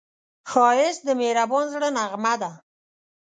ښایست د مهربان زړه نغمه ده